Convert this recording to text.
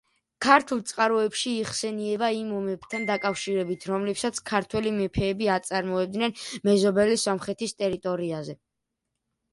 ქართულ წყაროებში იხსენიება იმ ომებთან დაკავშირებით, რომლებსაც ქართველი მეფეები აწარმოებდნენ მეზობელი სომხეთის ტერიტორიაზე.